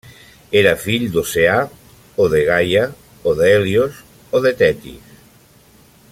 Era fill d'Oceà, o de Gaia, o d'Hèlios, o de Tetis.